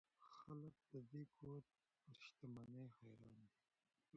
خلک د دې کور پر شتمنۍ حیران دي.